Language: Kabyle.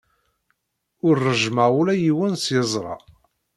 Ur ṛejjmeɣ ula yiwen s yeẓra.